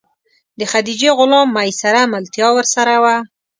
د خدیجې غلام میسره ملتیا ورسره وه.